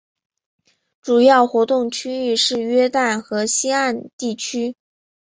主要活动区域是约旦河西岸地区。